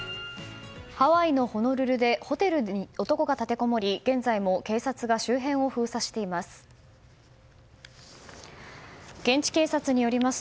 ハワイのホノルルでホテルに男が立てこもり現在も警察が周辺を封鎖しています。